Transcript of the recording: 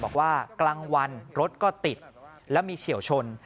กลางวันรถก็ติดแล้วมีเฉียวชน